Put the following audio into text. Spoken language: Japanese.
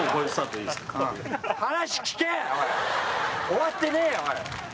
終わってねえよおい！